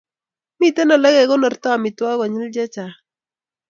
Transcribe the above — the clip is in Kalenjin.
Mitei Ole kekonortoi amitwogik konyil chechang